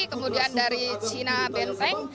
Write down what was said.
kemudian dari cina benteng